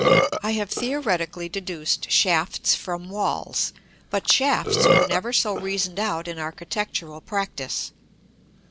I have theoretically deduced shafts from walls, but shafts were never so reasoned out in architectural practice.